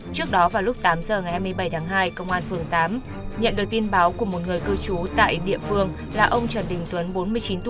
trước đó vào lúc tám giờ ngày hai mươi bảy tháng hai công an phường tám nhận được tin báo của một người cư trú tại địa phương là ông trần đình tuấn bốn mươi chín tuổi